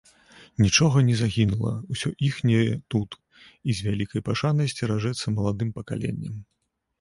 Нічога не загінула, усё іхняе тут і з вялікай пашанай сцеражэцца маладым пакаленнем.